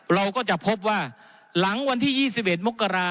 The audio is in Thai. เราก็จะพบว่าหลังวันที่๒๑มกรา